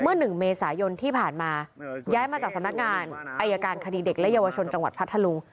เมื่อ๑เมษายนที่ผ่านมาย้ายมาจากสำนักงานอายการคดีเด็กและเยาวชนจังหวัดพัทธลุง